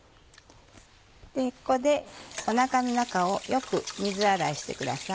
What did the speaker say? ここでおなかの中をよく水洗いしてください。